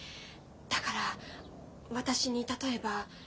だから私に例えばあの。